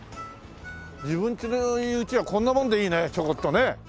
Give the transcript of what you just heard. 自分の家はこんなもんでいいねちょこっとね